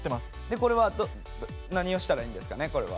でこれは何をしたらいいんですかね？